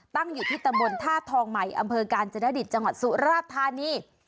ตั้งอยู่ที่ตะบลธาตุทองใหม่อำเภอการเจนเดอดิจังหวัดสุราษฎ์ธานี